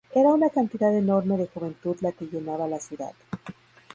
Era una cantidad enorme de juventud la que llenaba la ciudad.